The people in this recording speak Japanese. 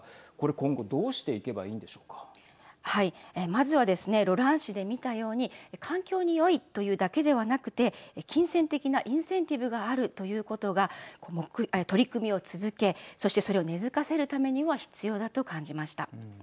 まずはですねロラン市で見たように環境によいというだけではなくて金銭的なインセンティブがあるということが取り組みを続けそして、それを根づかせるためには必要だと感じました。